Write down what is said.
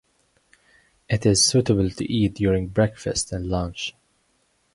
It is suitable to eat during breakfast and lunch.